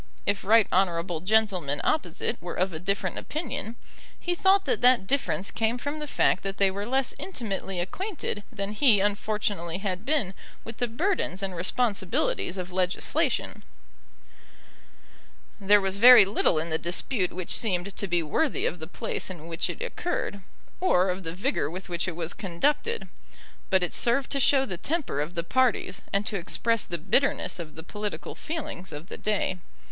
If right honourable gentlemen opposite were of a different opinion, he thought that that difference came from the fact that they were less intimately acquainted than he unfortunately had been with the burdens and responsibilities of legislation. There was very little in the dispute which seemed to be worthy of the place in which it occurred, or of the vigour with which it was conducted; but it served to show the temper of the parties, and to express the bitterness of the political feelings of the day.